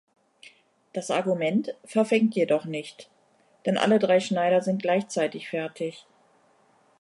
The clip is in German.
Das Argument verfängt jedoch nicht; denn alle drei Schneider sind gleichzeitig fertig.